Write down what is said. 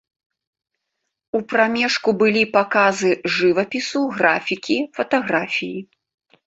У прамежку былі паказы жывапісу, графікі, фатаграфіі.